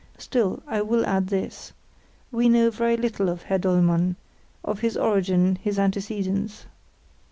Still, I will add this. We know very little of Herr Dollmann, of his origin, his antecedents.